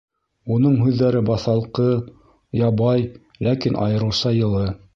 Уның һүҙҙәре баҫалҡы, ябай, ләкин айырыуса йылы.